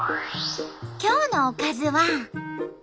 今日のおかずは。